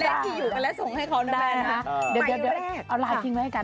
และที่อยู่กันและเถอะส่งให้เค้านะโมเดียวเอาลายด์เลยไกรการ